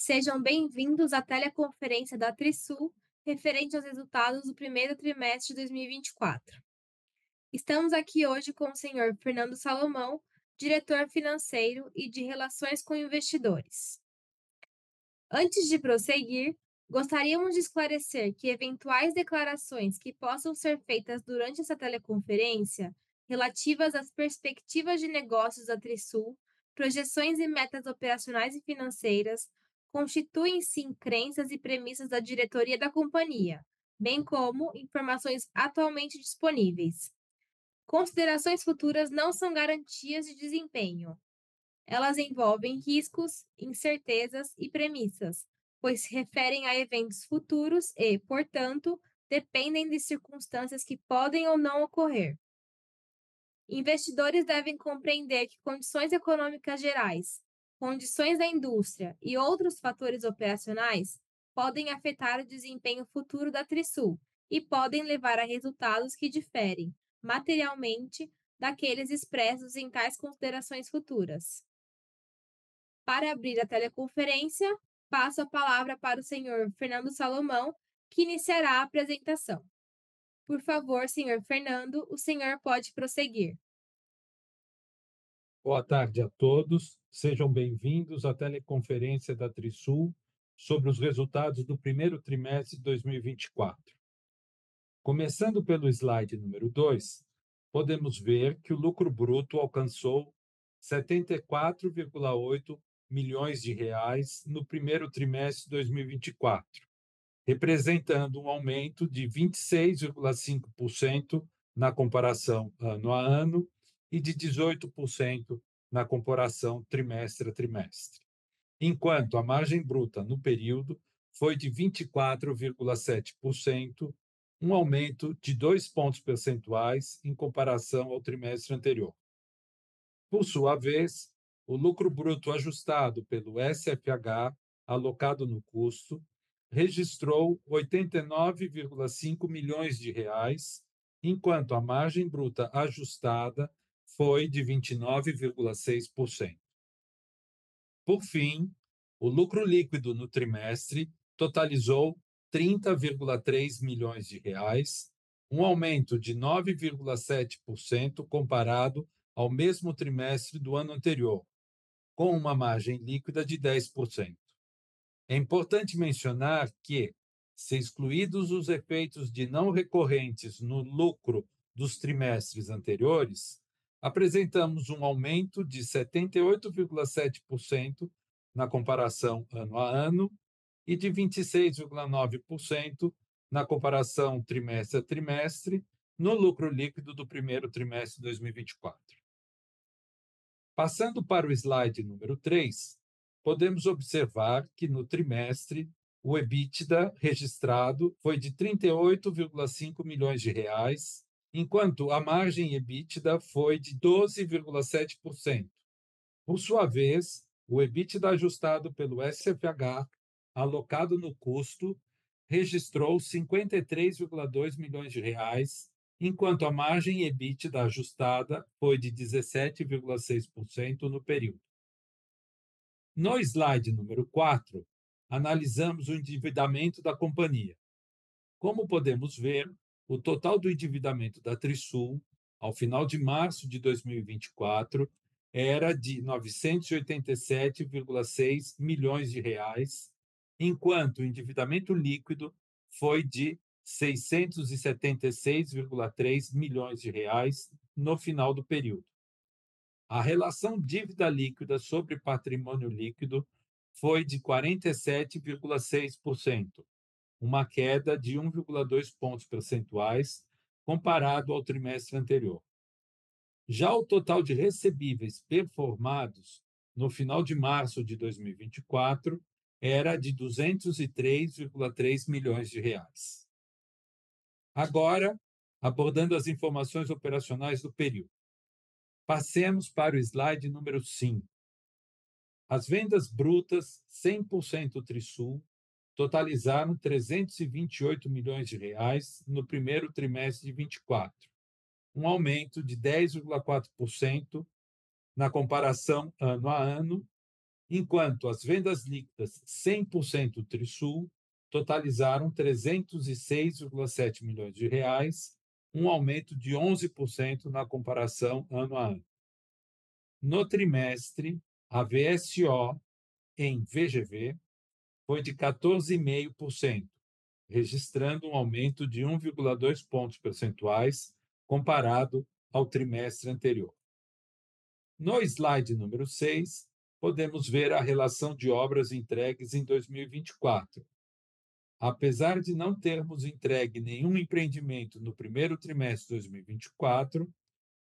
Sejam bem-vindos à teleconferência da Trisul referente aos resultados do primeiro trimestre de 2024. Estamos aqui hoje com o senhor Fernando Salomão, Diretor Financeiro e de Relações com Investidores. Antes de prosseguir, gostaríamos de esclarecer que eventuais declarações que possam ser feitas durante essa teleconferência, relativas às perspectivas de negócios da Trisul, projeções e metas operacionais e financeiras, constituem-se em crenças e premissas da diretoria da companhia, bem como informações atualmente disponíveis. Considerações futuras não são garantias de desempenho. Elas envolvem riscos, incertezas e premissas, pois se referem a eventos futuros e, portanto, dependem de circunstâncias que podem ou não ocorrer. Investidores devem compreender que condições econômicas gerais, condições da indústria e outros fatores operacionais podem afetar o desempenho futuro da Trisul e podem levar a resultados que diferem materialmente daqueles expressos em tais considerações futuras. Para abrir a teleconferência, passo a palavra para o senhor Fernando Salomão, que iniciará a apresentação. Por favor, senhor Fernando, o senhor pode prosseguir. Boa tarde a todos. Sejam bem-vindos à teleconferência da Trisul sobre os resultados do primeiro trimestre de 2024. Começando pelo slide número 2, podemos ver que o lucro bruto alcançou 74.8 milhões de reais no primeiro trimestre de 2024, representando um aumento de 26.5% na comparação ano a ano e de 18% na comparação trimestre a trimestre. Enquanto a margem bruta no período foi de 24.7%, um aumento de dois pontos percentuais em comparação ao trimestre anterior. Por sua vez, o lucro bruto ajustado pelo SFH, alocado no custo, registrou 89.5 milhões de reais, enquanto a margem bruta ajustada foi de 29.6%. Por fim, o lucro líquido no trimestre totalizou BRL 30.3 million, um aumento de 9.7% comparado ao mesmo trimestre do ano anterior, com uma margem líquida de 10%. É importante mencionar que, se excluídos os efeitos de não recorrentes no lucro dos trimestres anteriores, apresentamos um aumento de 78.7% na comparação ano a ano e de 26.9% na comparação trimestre a trimestre, no lucro líquido do primeiro trimestre de 2024. Passando para o slide número 3, podemos observar que no trimestre o EBITDA registrado foi de 38.5 million reais, enquanto a margem EBITDA foi de 12.7%. Por sua vez, o EBITDA ajustado pelo SFH, alocado no custo, registrou 53.2 million reais, enquanto a margem EBITDA ajustada foi de 17.6% no período. No slide número 4, analisamos o endividamento da companhia. Como podemos ver, o total do endividamento da Trisul, ao final de março de 2024, era de 987.6 million reais, enquanto o endividamento líquido foi de 676.3 million reais no final do período. A relação dívida líquida sobre patrimônio líquido foi de 47.6%, uma queda de 1.2 pontos percentuais comparado ao trimestre anterior. Já o total de recebíveis performados no final de março de 2024 era de 203.3 million reais. Agora, abordando as informações operacionais do período. Passemos para o slide número 5. As vendas brutas 100% Trisul totalizaram 328 milhões reais no primeiro trimestre de 2024, um aumento de 10.4% na comparação ano a ano, enquanto as vendas líquidas 100% Trisul totalizaram 306.7 milhões reais, um aumento de 11% na comparação ano a ano. No trimestre, a VSO em VGV foi de 14.5%, registrando um aumento de 1.2 pontos percentuais comparado ao trimestre anterior. No slide número 6, podemos ver a relação de obras entregues em 2024. Apesar de não termos entregue nenhum empreendimento no primeiro trimestre de 2024,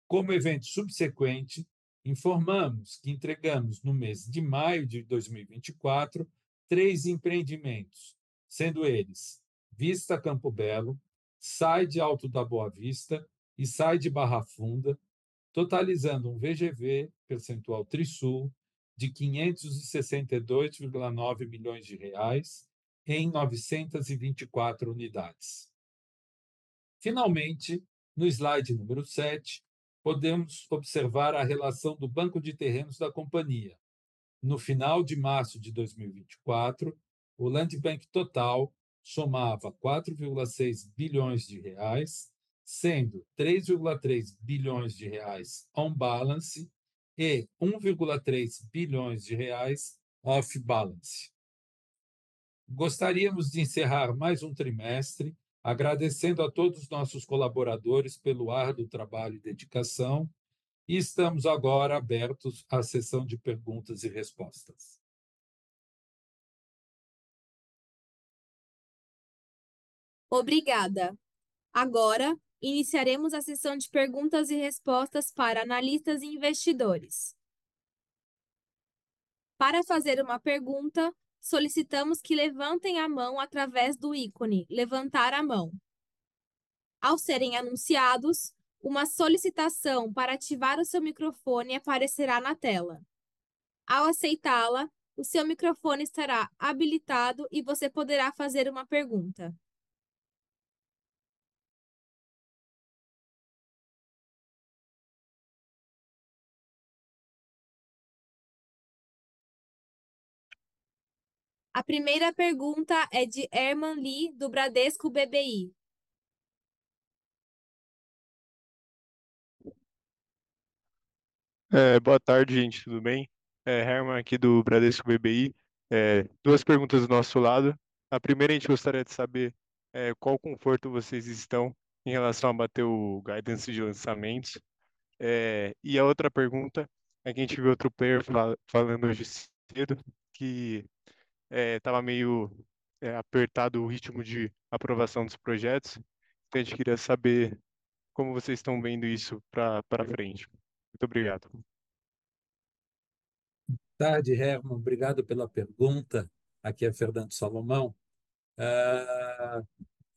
como evento subsequente, informamos que entregamos no mês de maio de 2024 3 empreendimentos, sendo eles Vista Campo Belo, Syde Alto da Boa Vista e Syde Barra Funda, totalizando um VGV potencial Trisul de 562.9 milhões reais em 924 unidades. Finalmente, no slide número 7, podemos observar a relação do Land Bank da companhia. No final de março de 2024, o Land Bank total somava 4.6 bilhões reais, sendo 3.3 bilhões reais on balance e 1.3 bilhões reais off-balance. Gostaríamos de encerrar mais um trimestre agradecendo a todos nossos colaboradores pelo árduo trabalho e dedicação. Estamos agora abertos à sessão de perguntas e respostas. Obrigada. Agora iniciaremos a sessão de perguntas e respostas para analistas e investidores. Para fazer uma pergunta, solicitamos que levantem a mão através do ícone "levantar a mão". Ao serem anunciados, uma solicitação para ativar o seu microfone aparecerá na tela. Ao aceitá-la, o seu microfone estará habilitado e você poderá fazer uma pergunta. A primeira pergunta é de Herman Lee, do Bradesco BBI. Boa tarde, gente, tudo bem? Herman Lee aqui do Bradesco BBI. Duas perguntas do nosso lado. A primeira, a gente gostaria de saber qual conforto vocês estão em relação a bater o guidance de lançamentos. E a outra pergunta é que a gente viu outro player falando hoje cedo que tava meio apertado o ritmo de aprovação dos projetos. Então a gente queria saber como vocês tão vendo isso pra frente. Muito obrigado. Boa tarde, Herman Li. Obrigado pela pergunta. Aqui é Fernando Salomão.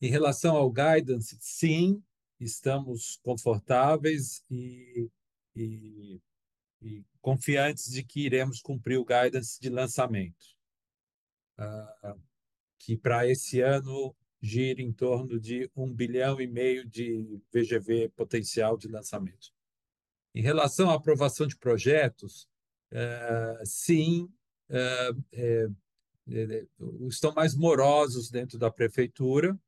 Em relação ao guidance, sim, estamos confortáveis e confiantes de que iremos cumprir o guidance de lançamentos que pra esse ano gira em torno de 1.5 bilhão de VGV potencial de lançamento. Em relação à aprovação de projetos, sim, estão mais morosos dentro da prefeitura,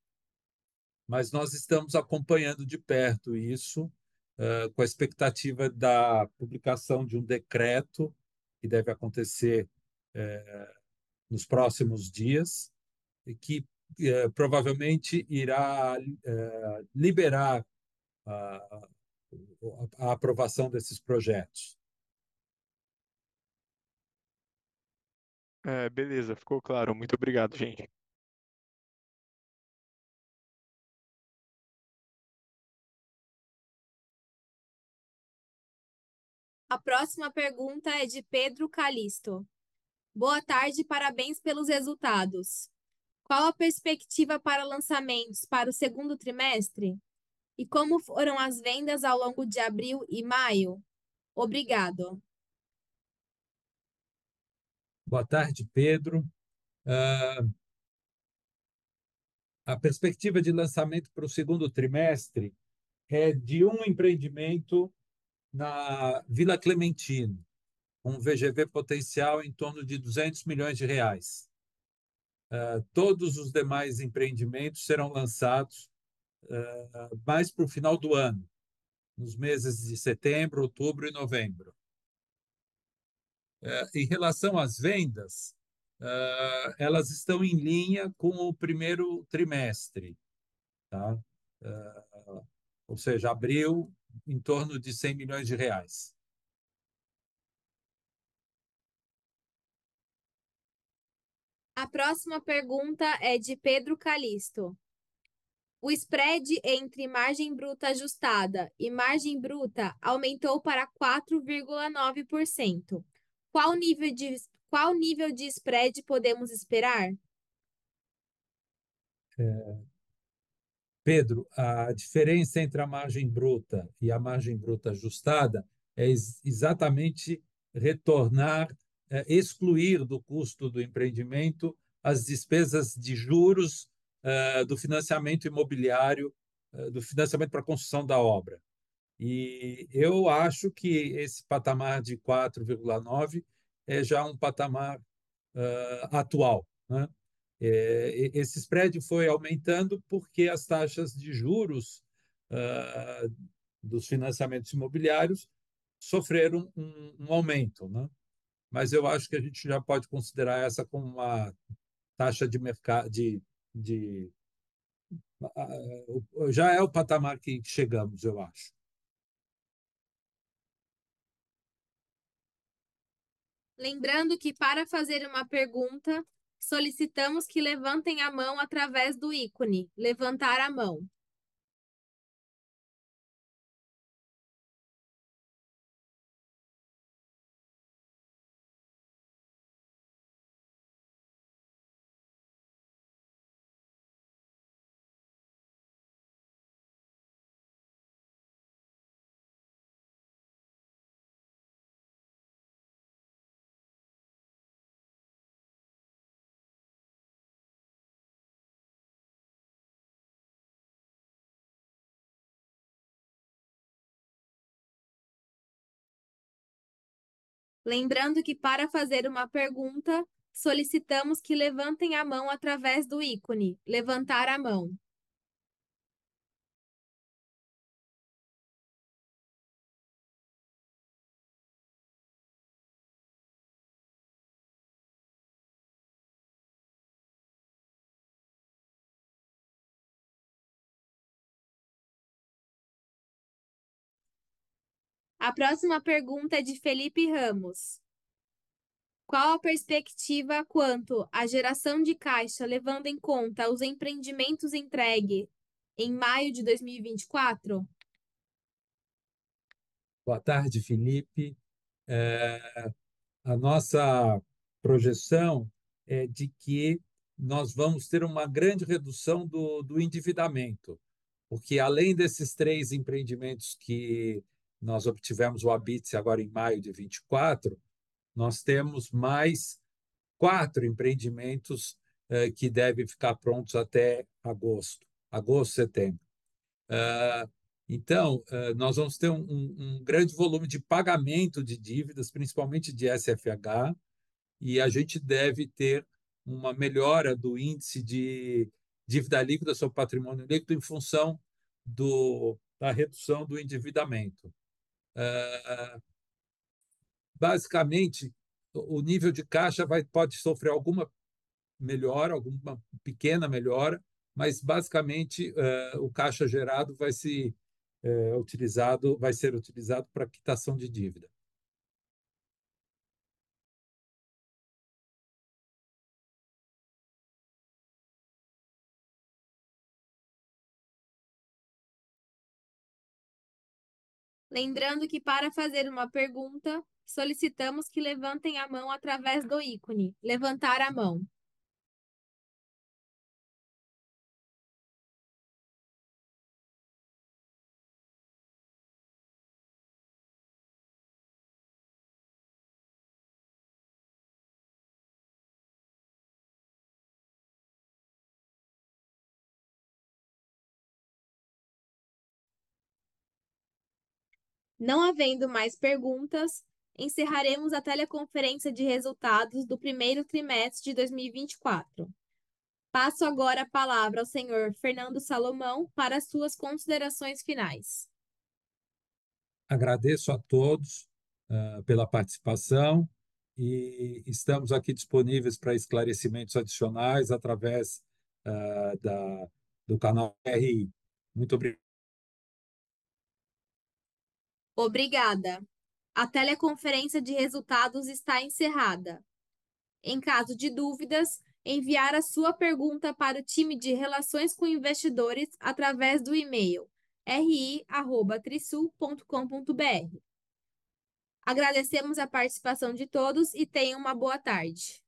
mas nós estamos acompanhando de perto isso com a expectativa da publicação de um decreto que deve acontecer nos próximos dias e que provavelmente irá liberar a aprovação desses projetos. É, beleza. Ficou claro. Muito obrigado, gente. A próxima pergunta é de Pedro Calixto: Boa tarde e parabéns pelos resultados. Qual a perspectiva para lançamentos para o segundo trimestre? E como foram as vendas ao longo de abril e maio? Obrigado. Boa tarde, Pedro. A perspectiva de lançamento pro segundo trimestre é de um empreendimento na Vila Clementino, um VGV potencial em torno de 200 million reais. Todos os demais empreendimentos serão lançados mais pro final do ano, nos meses de setembro, outubro e novembro. Em relação às vendas, elas estão em linha com o primeiro trimestre, tá. Ou seja, abril em torno de 100 million reais. A próxima pergunta é de Pedro Calixto: o spread entre margem bruta ajustada e margem bruta aumentou para 4.9%. Qual nível de spread podemos esperar? Pedro, a diferença entre a margem bruta e a margem bruta ajustada é exatamente excluir do custo do empreendimento as despesas de juros do financiamento imobiliário do financiamento pra construção da obra. Eu acho que esse patamar de 4.9% é já um patamar atual. Esse spread foi aumentando porque as taxas de juros dos financiamentos imobiliários sofreram um aumento. Mas eu acho que a gente já pode considerar essa como a taxa de mercado, já é o patamar que chegamos, eu acho. Lembrando que para fazer uma pergunta, solicitamos que levantem a mão através do ícone "levantar a mão". A próxima pergunta é de Felipe Ramos: qual a perspectiva quanto à geração de caixa, levando em conta os empreendimentos entregue em maio de 2024? Boa tarde, Felipe. A nossa projeção é de que nós vamos ter uma grande redução do endividamento, porque além desses três empreendimentos que nós obtivemos o habite-se agora em maio de 2024, nós temos mais quatro empreendimentos que devem ficar prontos até agosto, setembro. Então, nós vamos ter um grande volume de pagamento de dívidas, principalmente de SFH, e a gente deve ter uma melhora do índice de dívida líquida sobre o patrimônio líquido, em função da redução do endividamento. Basicamente, o nível de caixa pode sofrer alguma melhora, alguma pequena melhora, mas basicamente o caixa gerado vai ser utilizado pra quitação de dívida. Lembrando que para fazer uma pergunta, solicitamos que levantem a mão através do ícone "levantar a mão". Não havendo mais perguntas, encerraremos a teleconferência de resultados do primeiro trimestre de 2024. Passo agora a palavra ao senhor Fernando Salomão para as suas considerações finais. Agradeço a todos pela participação e estamos aqui disponíveis pra esclarecimentos adicionais através do canal RI. Muito obri- Obrigada. A teleconferência de resultados está encerrada. Em caso de dúvidas, enviar a sua pergunta para o time de relações com investidores através do e-mail ri@trisul-sa.com.br. Agradecemos a participação de todos e tenham uma boa tarde.